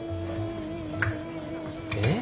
えっ？